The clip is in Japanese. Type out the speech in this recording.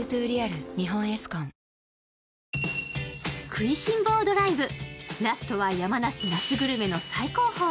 食いしん坊ドライブラストは山梨夏グルメの最高峰。